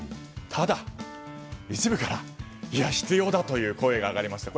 ただ、一部から必要だ！という声が上がりました。